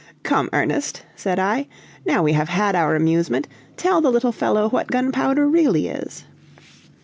"Come, Ernest," said I; "now we have had our amusement, tell the little fellow what gunpowder really is."